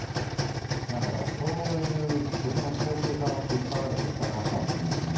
だからそういう曲の構成から引っ張られてきた歌詞かもしれないですね